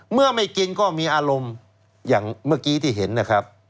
เมื่อไม่กินก็มีอารมณ์อย่างเมื่อกี้ที่เห็นนะครับ